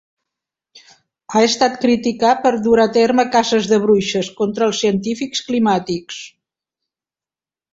Ha estat criticat per dur a terme "caces de bruixes" contra els científics climàtics.